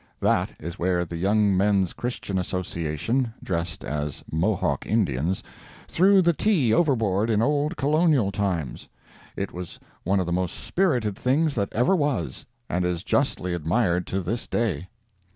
That is where the Young Men's Christian Association, dressed as Mohawk Indians, threw the tea overboard in old Colonial times. It was one of the most spirited things that ever was, and is justly admired to this day.